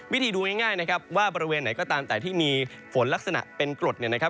ดูง่ายนะครับว่าบริเวณไหนก็ตามแต่ที่มีฝนลักษณะเป็นกรดเนี่ยนะครับ